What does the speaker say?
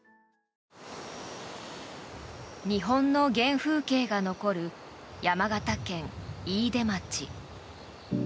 日本の原風景が残る山形県飯豊町。